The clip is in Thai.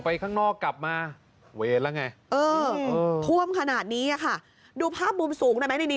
ไปข้างนอกกลับมาเวลงัยก้มขนาดนี้ข่าดดูภาพมุมสูงดีไหม